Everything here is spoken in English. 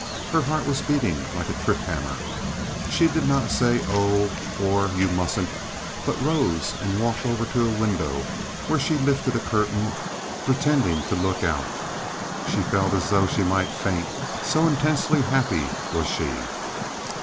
Her heart was beating like a triphammer. She did not say, "Oh," or, "You mustn't," but rose and walked over to a window, where she lifted a curtain, pretending to look out. She felt as though she might faint, so intensely happy was she.